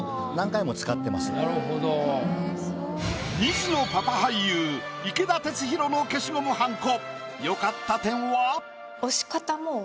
２児のパパ俳優池田鉄洋の消しゴムはんこ。